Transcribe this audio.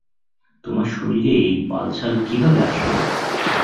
তোমার শরীরে এই বাল-ছাল কীভাবে আসলো?